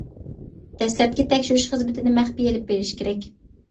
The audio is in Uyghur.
دەسلەپكى تەكشۈرۈش خىزمىتىنى مەخپىي ئېلىپ بېرىش كېرەك.